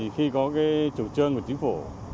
khi có chủ trương của chính phủ